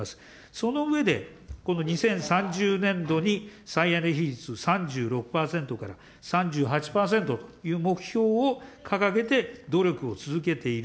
その上で、この２０３０年度に、再エネ比率３６％から３８％という目標を掲げて努力を続けている。